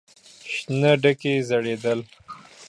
شنه ډکي ځړېدل.